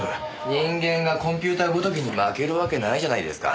人間がコンピューターごときに負けるわけないじゃないですか。